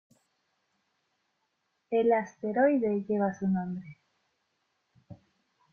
El asteroide lleva su nombre.